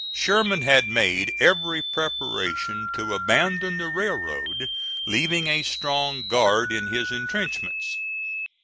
Sherman had made every preparation to abandon the railroad, leaving a strong guard in his intrenchments.